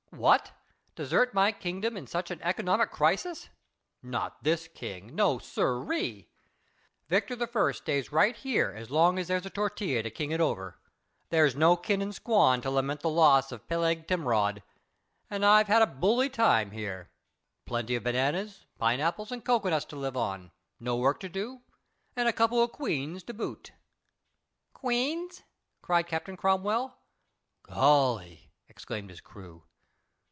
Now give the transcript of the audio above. "What! desert my kingdom in such a economic crisis! Not this King. No, siree. Victor I. stays right here as long as there's a Tortilla to king it over. There's no kin in Squan to lament the loss of Peleg Timrod, and I've had a bully time here. Plenty of bananas, pineapples and cocoanuts to live on, no work to do, and a couple of queens to boot." "Queens?" cried Captain Cromwell. "Golly!" exclaimed his crew.